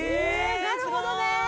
いなるほどね